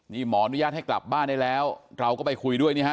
นี่หมออนุญาตให้กลับบ้านได้แล้วเราก็ไปคุยด้วยนี่ฮะ